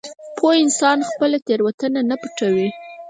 پوه انسان خپله تېروتنه نه پټوي.